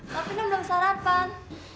tapi non belum sarapan